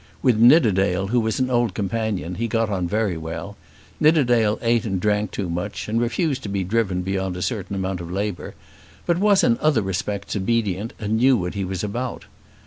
With Nidderdale, who was an old companion, he got on very well. Nidderdale ate and drank too much, and refused to be driven beyond a certain amount of labour, but was in other respects obedient and knew what he was about.